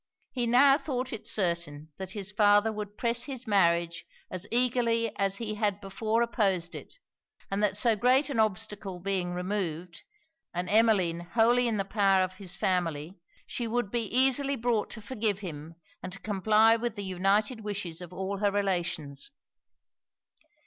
He now thought it certain that his father would press his marriage as eagerly as he had before opposed it; and that so great an obstacle being removed, and Emmeline wholly in the power of his family, she would be easily brought to forgive him and to comply with the united wishes of all her relations.